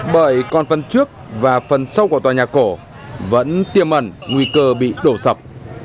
bởi còn phần trước và phần sau của tòa nhà cổ vẫn tiêm ẩn nguy cơ bị đổ sập